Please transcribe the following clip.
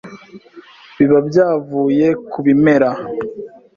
biba byavuye ku bimera